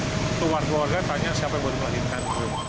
keluarga keluarga tanya siapa yang buat melahirkan